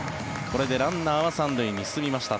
これでランナーは３塁に進みました。